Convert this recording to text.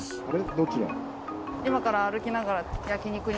どちらに？